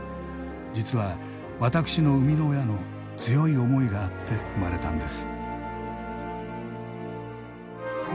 実は私の生みの親の強い思いがあって生まれたんです。